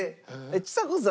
ちさ子さん